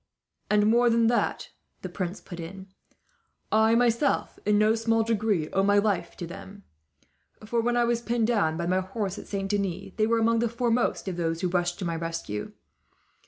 "And more than that," the prince put in, "I myself in no small degree owe my life to them; for when I was pinned down by my horse, at Saint Denis, they were among the foremost of those who rushed to my rescue.